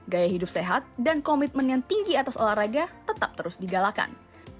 gaya hidup sehat dan komitmen yang tinggi atas olahraga tetap terus digalakan